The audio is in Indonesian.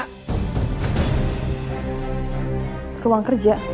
ke ruang kerja